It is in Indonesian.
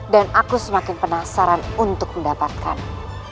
dan aku semakin penasaran untuk mendapatkanmu